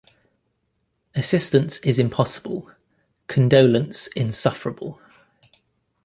Assistance is impossible; condolence insufferable.